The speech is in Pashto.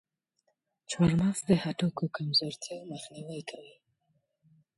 چارمغز د هډوکو کمزورتیا مخنیوی کوي.